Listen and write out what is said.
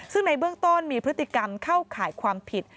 ซึ่งในเบื้องต้นมีพฤติกรรมเข้าข่ายความผิด